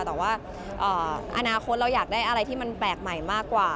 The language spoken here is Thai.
แต่ว่าอนาคตเราอยากได้อะไรที่มันแปลกใหม่มากกว่า